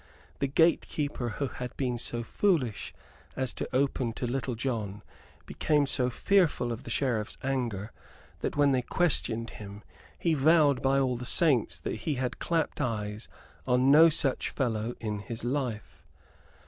The gate keeper who had been so foolish as to open to Little John became so fearful of the Sheriff's anger that, when they questioned him, he vowed by all the saints that he had clapped eyes on no such fellow in his life.